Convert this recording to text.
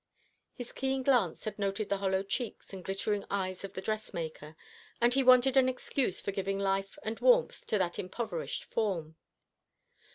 His keen glance had noted the hollow cheeks and glittering eyes of the dressmaker, and he wanted an excuse for giving life and warmth to that impoverished form.